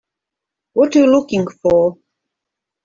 What are you looking for?